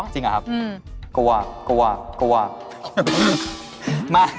จิ้มไม่รู้รสแล้วนะ